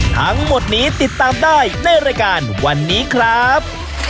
ทั้งหมดนี้ติดตามได้ในรายการวันนี้ครับ